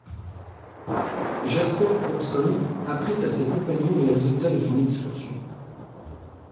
Jasper Hobson apprit à ses compagnons les résultats de son excursion.